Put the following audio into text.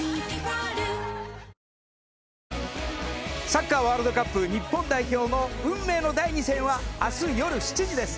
サッカーワールドカップ日本代表の運命の第２戦は明日よる７時です。